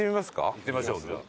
行ってみましょうじゃあ。